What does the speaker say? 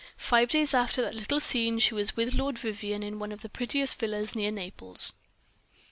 Five days after that little scene she was with Lord Vivianne in one of the prettiest villas near Naples.